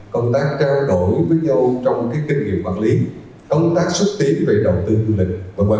công tác trao đổi với nhau trong kinh nghiệm quản lý công tác xuất tiến về đầu tư du lịch